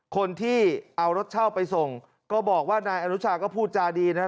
คนที่เอารถเช่าไปส่งก็บอกว่านายอนุชาก็พูดจาดีนะ